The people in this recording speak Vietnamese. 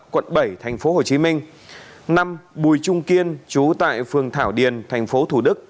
quận bảy thành phố hồ chí minh năm bùi trung kiên trú tại phường thảo điền thành phố thủ đức